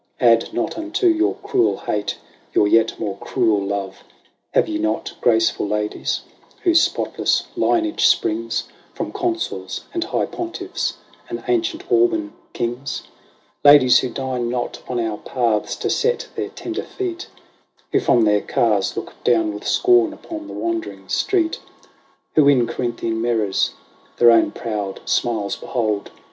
Add not unto your cruel hate your yet more cruel love ! Have ye not graceful ladies, whose spotless lineage springs From Consuls, and High Pontiffs, and ancient Alban kings ? Ladies, who deign not on our paths to set their tender feet. Who from their cars look down with scorn upon the wondering street, Who in Corinthian mirrors their own proud smiles behold.